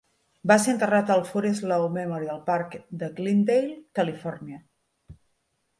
Va ser enterrat al Forest Lawn Memorial Park de Glendale, Califòrnia.